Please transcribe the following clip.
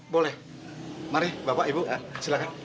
boleh mari bapak ibu silakan